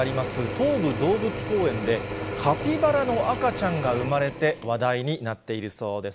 東武動物公園で、カピバラの赤ちゃんが生まれて話題になっているそうです。